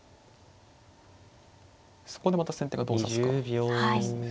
そこでまた先手がどう指すかですね。